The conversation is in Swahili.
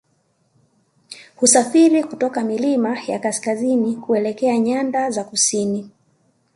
Husafiri kutoka milima ya kaskazini kuelekea nyanda za kusini